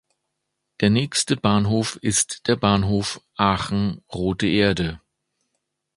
Der nächste Bahnhof ist der Bahnhof Aachen-Rothe Erde.